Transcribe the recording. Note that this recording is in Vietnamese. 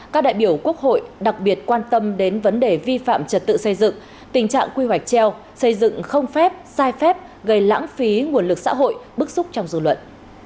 các đại biểu quốc hội đặc biệt quan tâm đến vấn đề vi phạm trật tự xây dựng tình trạng quy hoạch treo xây dựng không phép sai phép gây lãng phí nguồn lực xã hội bức xúc trong dự luận